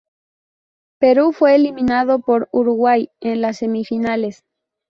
Perú fue eliminado por Uruguay en las semifinales.